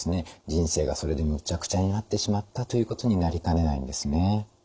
人生がそれでめちゃくちゃになってしまったということになりかねないんですね。